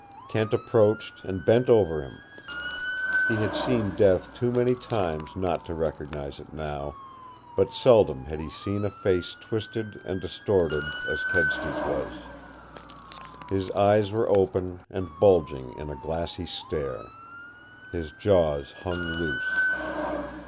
Kent approached and bent over him. He had seen death too many times not to recognize it now, but seldom had he seen a face twisted and distorted as Kedsty's was. His eyes were open and bulging in a glassy stare. His jaws hung loose.